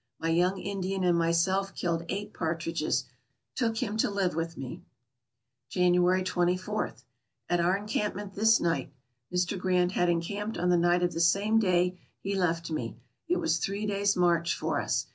My young Indian and myself killed eight partridges ; took him to live with me. January 24.. — At our encampment this night ; Mr. Grant had encamped on the night of the same day he left me ; it was three days' march for us.